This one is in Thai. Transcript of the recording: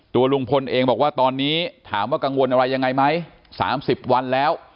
ลุงพลเองบอกว่าตอนนี้ถามว่ากังวลอะไรยังไงไหม๓๐วันแล้ว